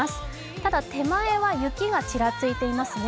ただ、手前は雪がちらついていますね。